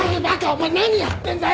お前何やってんだよ！